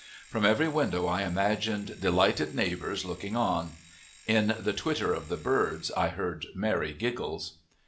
From every window I imagined delighted neighbors looking on; in the twitter of the birds I heard merry giggles.